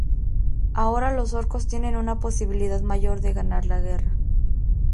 Ahora los Orcos tienen una posibilidad mayor de ganar la guerra.